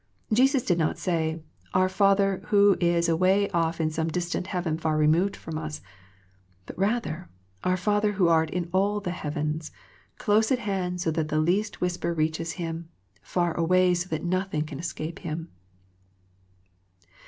Jesus did not say. Our Father who is away off in some distant heaven far removed from us ; but rather, Our Father who art in all the heavens ; close at hand so that the least whisper reaches Him, far away so that nothing can escape Him.